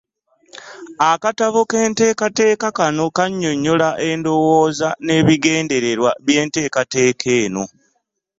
Akatabo k’enteekateeka kano kannyonnyola endowooza n’ebigendererwa by’enteekateeka eno.